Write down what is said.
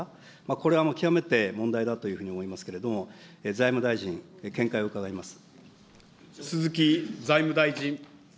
これは極めて問題だというふうに思いますけれども、財務大臣、鈴木財務大臣。